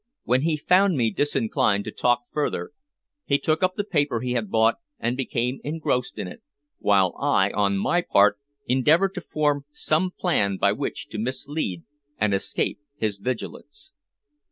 When he found me disinclined to talk further, he took up the paper he had bought and became engrossed in it, while I, on my part, endeavored to form some plan by which to mislead and escape his vigilance.